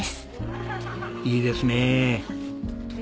いいですね。